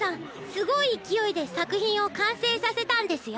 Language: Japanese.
すごいいきおいでさくひんをかんせいさせたんですよ。